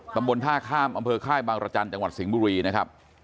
ตำบลท่าข้ามอำเภอค่ายบางรจันทร์จังหวัดสิงห์บุรีนะครับ